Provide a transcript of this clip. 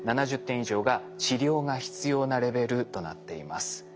７０点以上が治療が必要なレベルとなっています。